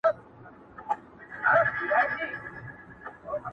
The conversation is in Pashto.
زما غمی یې دی له ځانه سره وړﺉ،